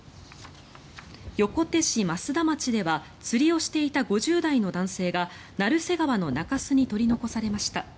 横手市増田町では釣りをしていた５０代の男性が成瀬川の中州に取り残されました。